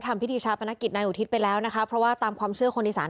ทำพิธีชาปนกิจนายอุทิศไปแล้วนะคะเพราะว่าตามความเชื่อคนอีสาน